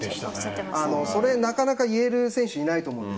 それをなかなか言える選手がいないと思うんです。